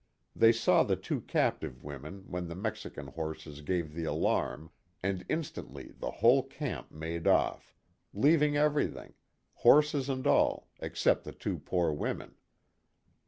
They saw the two captive women when the Mexican horses gave the alarm, and instantly the whole camp made off ; leaving everything horses and all except the two poor women.